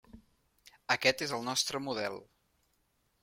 Aquest és el nostre model.